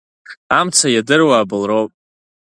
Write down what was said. Амца иадыруа абылроуп.